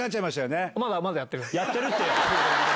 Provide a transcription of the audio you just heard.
やってるってよ。